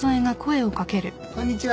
こんにちは。